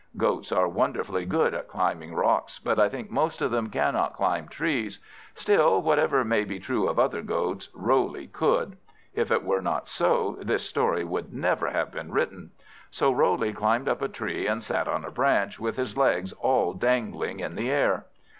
Goats are wonderfully good at climbing rocks, but I think most of them cannot climb trees; still, whatever may be true of other goats, Roley could. If it were not so, this story would never have been written. So Roley climbed up a tree, and sat on a branch, with his legs all dangling in the air.